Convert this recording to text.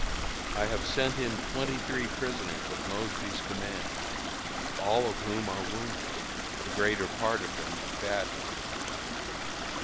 I have sent in twenty three prisoners of Mosby's command, all of whom are wounded the greater part of them badly.